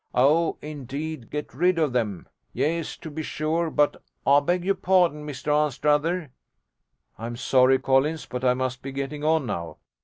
'Oh, indeed, get rid of them! Yes, to be sure, but I beg your pardon, Mr Anstruther ' 'I'm sorry, Collins, but I must be getting on now.